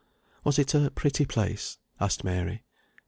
] "Was it a pretty place?" asked Mary.